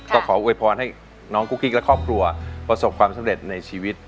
ก็ขออวยพรให้น้องกุ๊กกิ๊กและครอบครัวประสบความสำเร็จในชีวิต